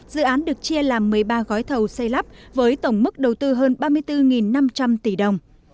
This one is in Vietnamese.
dự án được chia làm một mươi ba gói thầu xây lắp với tổng mức đầu tư hơn ba mươi bốn năm trăm linh tỷ đồng